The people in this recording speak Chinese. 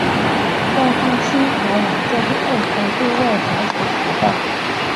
官方新华网在第二天对外发出讣告。